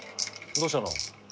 どうしたの？